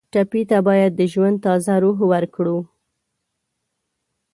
ټپي ته باید د ژوند تازه روح ورکړو.